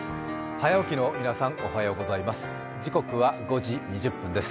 早起きの皆さん、おはようございます。